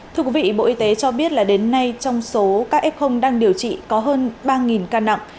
thưa quý vị bộ y tế cho biết là đến nay trong số các f đang điều trị có hơn ba ca nặng